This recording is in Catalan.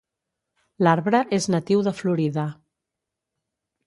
L'arbre és natiu de Florida.